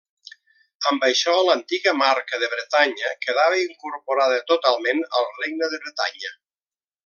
Amb això l'antiga Marca de Bretanya quedava incorporada totalment al regne de Bretanya.